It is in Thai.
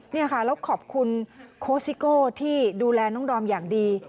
แล้วขอบคุณโคซิโกที่ดูแลน้องดอมอย่างดี